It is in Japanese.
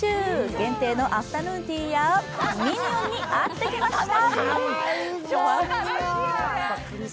限定のアフタヌーンティーやミニオンに会ってきました。